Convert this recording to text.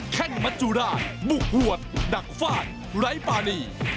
แค่งมัจจุราชบุกหวดดักฟาดไร้ปานี